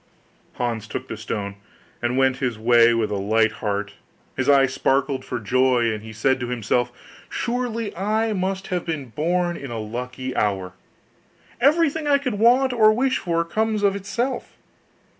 Hans took the stone, and went his way with a light heart: his eyes sparkled for joy, and he said to himself, 'Surely I must have been born in a lucky hour; everything I could want or wish for comes of itself.